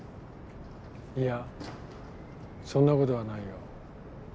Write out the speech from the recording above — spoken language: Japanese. いやそんなことはないよ。